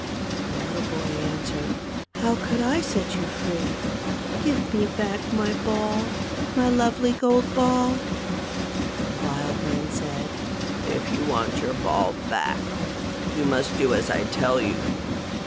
The little boy answered, " How could I set you free ? Give me back my ball — my lovely gold ball !" The wild man said, " If you want your ball back, you must do as I tell you.